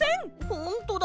ほんとだ。